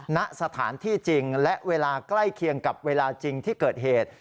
ณสถานที่จริงและเวลาใกล้เคียงกับเวลาจริงที่เกิดเหตุ